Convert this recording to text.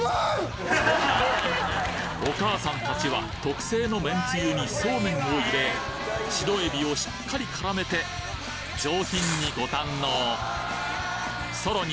お母さんたちは特製のめんつゆにそうめんを入れ白えびをしっかり絡めて上品にご堪能さらに